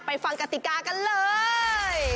ฟังกติกากันเลย